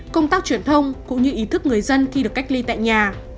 công tác truyền thông cũng như ý thức người dân khi được cách ly tại nhà